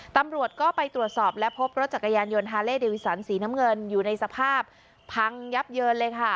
ตำรวจก็ไปตรวจสอบและพบรถจักรยานยนต์ฮาเล่เดวิสันสีน้ำเงินอยู่ในสภาพพังยับเยินเลยค่ะ